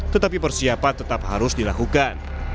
tetapi persiapan tetap harus dilakukan